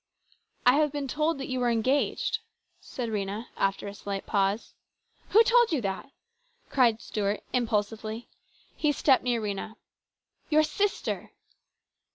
" I have been told that you were engaged," said Rhena after a slight pause. " Who told you that ?" cried Stuart impulsively. He stepped near Rhena. " Your sister